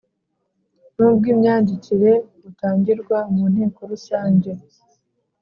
n ubw imyandikire butangirwa mu Nteko Rusange